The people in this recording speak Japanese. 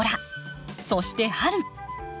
そして春。